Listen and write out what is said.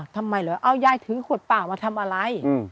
ทำไมเหรอเอายายถือขวดเปล่ามาทำอะไร